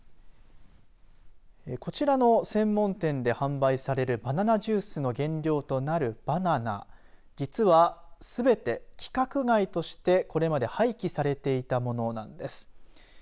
こちらの専門店で販売されるバナナジュースの原料となるバナナ、実はすべて規格外として、これまで廃棄されていたものなんです。